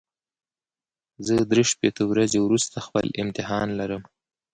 زه درې شپېته ورځې وروسته خپل امتحان لرم.